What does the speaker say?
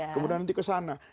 kemudian nanti kesana